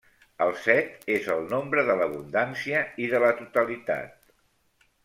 El set és el nombre de l'abundància i de la totalitat.